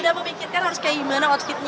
udah memikirkan harus kayak gimana outfitnya